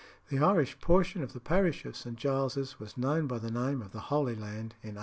The Irish portion of the parish of St. Giles's was known by the name of the Holy Land in 1829.